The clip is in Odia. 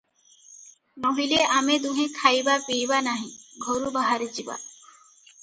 ନୋହିଲେ ଆମେ ଦୁହେଁ ଖାଇବା ପିଇବା ନାହିଁ, ଘରୁ ବାହାରିଯିବା ।